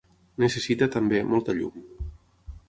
Necessita, també, molta llum.